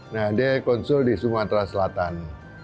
nah dia konsul di sumatera selatan